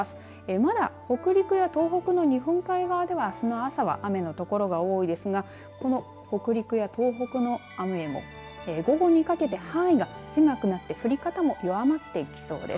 まだ北陸や東北の日本海側ではあすの朝は雨の所が多いですがこの北陸や東北の雨も午後にかけて範囲が狭くなって降り方も弱まってきそうです。